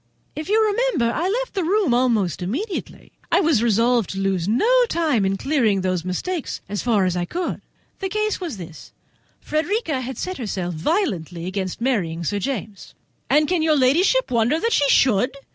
If you remember, I left the room almost immediately. I was resolved to lose no time in clearing up those mistakes as far as I could. The case was this—Frederica had set herself violently against marrying Sir James." "And can your ladyship wonder that she should?"